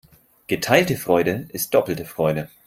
Geteilte Freude ist doppelte Freude.